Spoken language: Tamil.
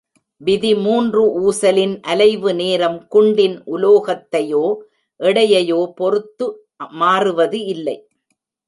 விதி மூன்று ஊசலின் அலைவு நேரம் குண்டின் உலோகத்தையோ, எடையையோ பொறுத்து மாறுவது இல்லை.